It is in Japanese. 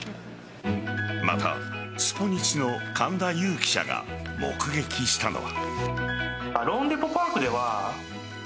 また、スポニチの神田佑記者が目撃したのは。